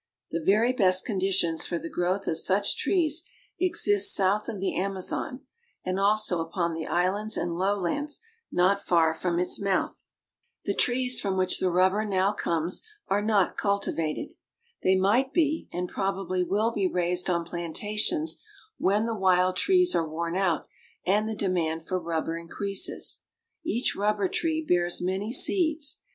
The very best conditions for the growth of such trees exist south of the Amazon, and also upon the islands and low lands not far from its mouth. The trees from which the rubber now comes are not 314 BRAZIL. cultivated. They might be and probably will be raised on plantations when the wild trees are worn out and the de mand for rubber increases. Each rubber tree bears many seeds.